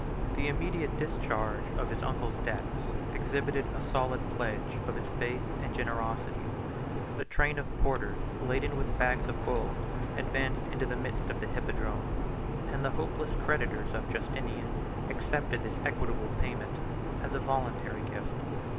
The immediate discharge of his uncle's debts exhibited a solid pledge of his faith and generosity: a train of porters, laden with bags of gold, advanced into the midst of the hippodrome, and the hopeless creditors of Justinian accepted this equitable payment as a voluntary gift.